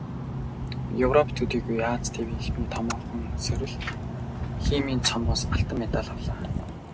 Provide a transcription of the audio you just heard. Европ төдийгүй Ази тивийнхний томоохон сорил "Химийн цом"-оос алтан медаль авлаа.